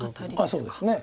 そうですね。